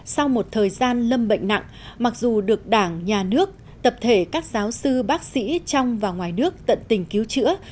sau một thời gian lâm bệnh nặng mặc dù được đảng nhà nước tập thể các giáo sư bác sĩ trong và ngoài nước tận tình cứu chữa